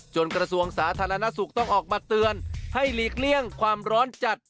กระทรวงสาธารณสุขต้องออกมาเตือนให้หลีกเลี่ยงความร้อนจัด